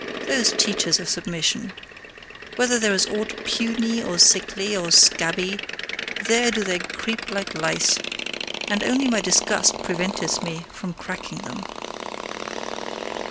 Those teachers of submission! Wherever there is aught puny, or sickly, or scabby, there do they creep like lice; and only my disgust preventeth me from cracking them.